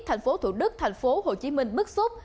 thành phố thủ đức thành phố hồ chí minh bức xúc